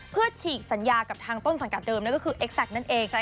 เพื่อฉีกสัญญากับทางต้นสังกัดเดิมนั่นก็คือเอ็กแซคนั่นเอง